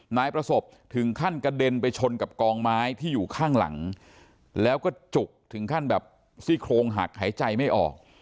นายประสบถึงขั้นกระเด็นไปชนกับกองไม้ที่อยู่ข้างหลังแล้วก็จุกถึงขั้นแบบซี่โครงหักหายใจไม่ออก